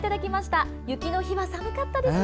雪の日は寒かったですね。